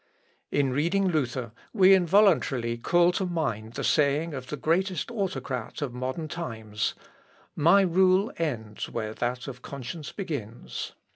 In reading Luther, we involuntarily call to mind the saying of the greatest autocrat of modern times: "My role ends where that of conscience begins."